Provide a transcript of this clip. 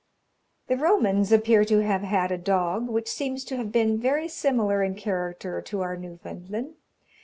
The Romans appear to have had a dog, which seems to have been very similar in character to our Newfoundland.